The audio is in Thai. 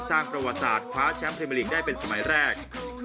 สร้างประวัติศาสตร์คว้าแชมป์พรีเมอร์ลีกได้เป็นสมัยแรก